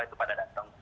itu pada datang